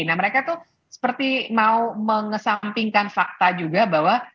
nah mereka tuh seperti mau mengesampingkan fakta juga bahwa